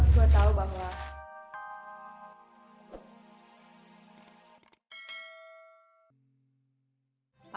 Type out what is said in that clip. gue tau bang ra